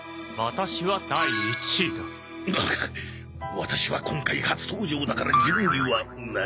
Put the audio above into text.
ワタシは今回初登場だから順位はない。